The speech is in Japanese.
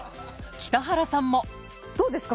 北原さんもどうですか？